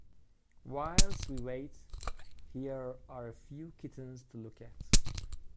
Whilst we wait, here are a few kittens to look at.